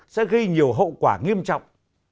sẽ gây nhiều hậu quả nghiêm trọng